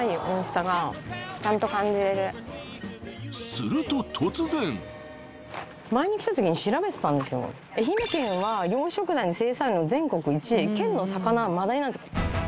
すると突然愛媛県は養殖鯛の生産量全国１位県の魚は真鯛なんですよ